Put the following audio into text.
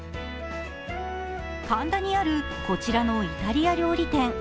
神田にあるこちらのイタリア料理店。